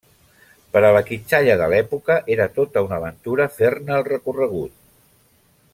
Per a la quitxalla de l'època era tota una aventura fer-ne el recorregut.